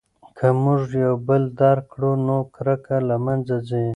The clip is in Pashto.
که موږ یو بل درک کړو نو کرکه له منځه ځي.